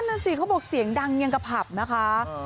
นั่นสิเขาบอกเสียงดังอย่างกับผับนะคะ